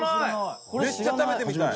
めっちゃ食べてみたい！